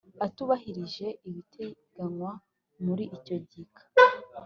Atubahirije ibiteganywa muri icyo gika